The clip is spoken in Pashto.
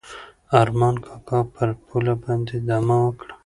ارمان کاکا پر پوله باندې دمه وکړه.